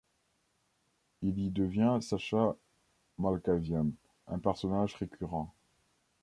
Il y devient Sacha Malkavian, un personnage récurrent.